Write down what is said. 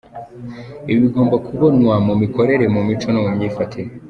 Ibi bigomba kubonwa mu mikorere, mu mico no ku myifatire.